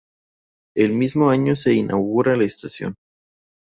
El mismo año se inaugura la estación.